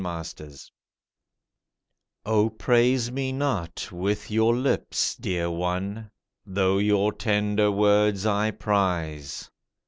SONG O praise me not with your lips, dear one! Though your tender words I prize.